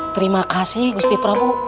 terima kasih gusti prabu